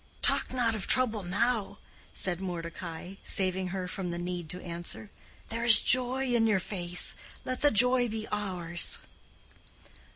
"Talk not of trouble now," said Mordecai, saving her from the need to answer. "There is joy in your face—let the joy be ours."